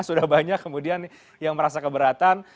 sudah banyak kemudian yang merasa keberatan